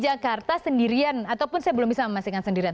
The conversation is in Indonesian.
jadi di jakarta sendirian ataupun saya belum bisa memastikan sendirian